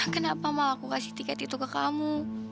kenapa mau aku kasih tiket itu ke kamu